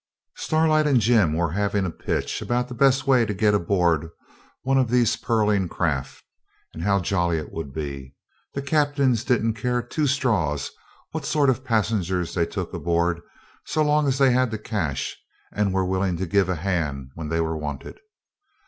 Starlight and Jim were having a pitch about the best way to get aboard one of these pearling craft, and how jolly it would be. The captains didn't care two straws what sort of passengers they took aboard so long as they had the cash and were willing to give a hand when they were wanted.